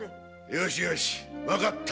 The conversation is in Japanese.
よしよしわかった。